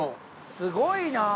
すごいな。